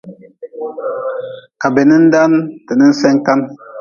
Ka be nindan ti ninsen kan.